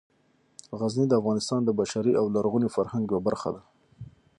غزني د افغانستان د بشري او لرغوني فرهنګ یوه برخه ده.